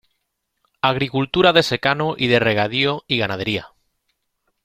Agricultura de secano y de regadío y ganadería.